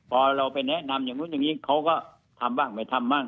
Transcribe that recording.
พอเราไปแนะนำอย่างนู้นอย่างนี้เขาก็ทำบ้างไม่ทำบ้าง